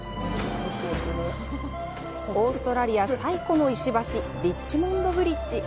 オーストラリア最古の石橋リッチモンドブリッジ。